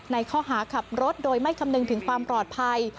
ในข้อหาขับรถโดยไม่คำนึงถึงความปลอดภัย